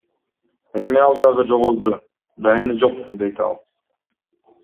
Эми ал дагы жоголду, дайыны жок, – дейт ал.